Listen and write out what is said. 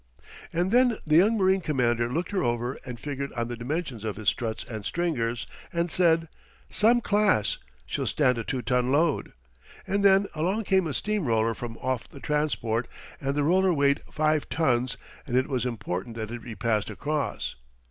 And then the young marine commander looked her over and figured on the dimensions of his struts and stringers, and said: "Some class! She'll stand a two ton load." And then along came a steam roller from off the transport, and the roller weighed five tons and it was important that it be passed across.